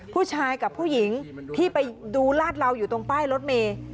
ผู้ชายกับผู้หญิงที่ไปดูลาดเหลาอยู่ตรงป้ายรถเมย์